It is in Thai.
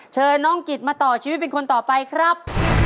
เชิญน้องกิจมาต่อชีวิตเป็นคนต่อไปครับ